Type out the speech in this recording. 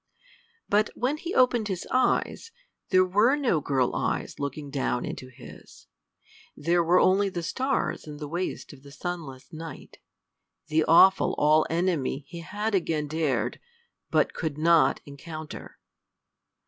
But when he opened his eyes, there were no girl eyes looking down into his; there were only the stars in the waste of the sunless Night the awful all enemy he had again dared, but could not encounter.